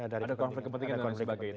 dari konflik kepentingan dan konflik